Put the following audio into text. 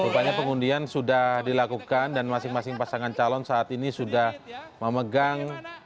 karena ini di anggota yah teman